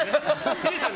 ヒデさん